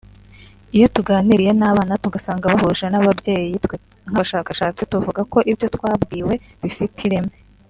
Iyo tuganiriye n’abana tugasanga bahuje n’ababyeyi twe nk’abashakashatsi tuvuga ko ibyo twabwiwe bifite ireme